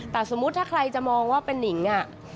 แต่สมมุติถ้าใครจะมองว่าเป็นนิงอ่ะ